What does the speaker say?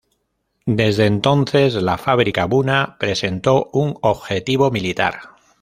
Desde entonces la fábrica Buna presentó un objetivo militar.